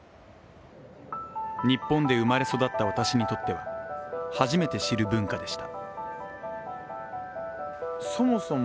日本で生まれ育った私にとっては初めて知る文化でした。